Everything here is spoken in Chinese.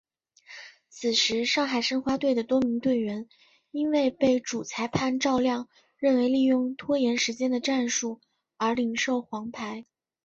此时上海申花队的多名队员因为被主裁判赵亮认为利用拖延时间的战术而领受黄牌。